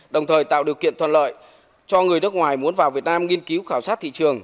đồng thời tạo điều kiện thuận lợi cho người nước ngoài muốn vào việt nam nghiên cứu khảo sát thị trường